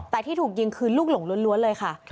แต่ที่ถูกยิงคือลูกหลงล้วนเลยค่ะ